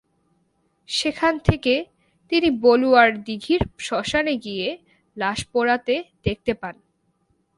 সেখান থেকে তিনি বলুয়ার দিঘির শ্মশানে গিয়ে লাশ পোড়াতে দেখতে পান।